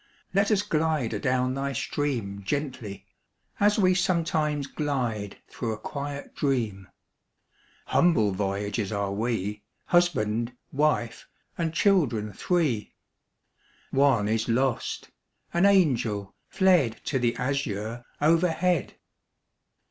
Let us glide adown thy stream Gently as we sometimes glide Through a quiet dream! Humble voyagers are we, Husband, wife, and children three (One is lost an angel, fled To the azure overhead!)